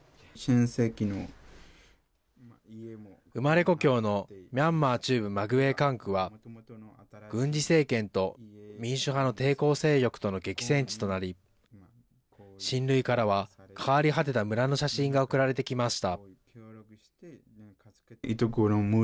生まれ故郷のミャンマー中部マグウェ管区は軍事政権と民主派の抵抗勢力との激戦地となり親類からは変わり果てた村の写真が送られてきました。